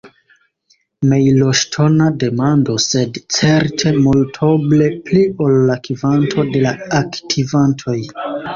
Mejloŝtona demando, sed certe multoble pli ol la kvanto de la aktivantoj.